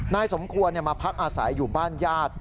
นายสมควรมาพักอาศัยอยู่บ้านญาติ